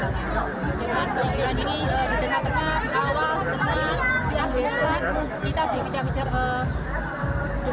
dengan kemimpiran ini di tengah tengah di awal di tengah kita beristirahat kita berpijak pijak dengan